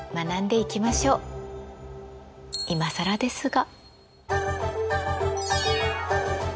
いまさらですが。